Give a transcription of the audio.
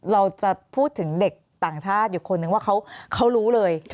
เราจะพูดถึงเด็กต่างชาติอยู่คนนึงว่าเขารู้เลย